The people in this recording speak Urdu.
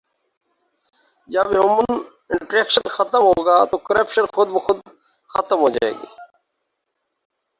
جب ہیومن انٹریکشن ختم ہوگا تو کرپشن خودبخود ختم ہو جائے گی